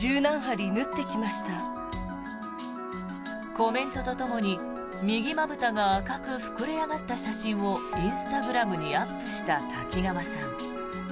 コメントとともに、右まぶたが赤く膨れ上がった写真をインスタグラムにアップした滝川さん。